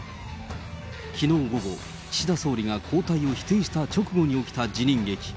きのう午後、岸田総理が交代を否定した直後に起きた辞任劇。